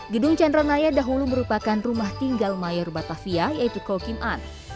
gedung chandranaya dahulu merupakan rumah tinggal mayor batavia yaitu kokim an